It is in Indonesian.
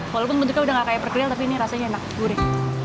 walaupun bentuknya sudah tidak seperti perkedel tapi rasanya enak gurih